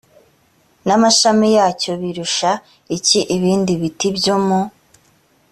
n amashami yacyo birusha iki ibindi biti byo mu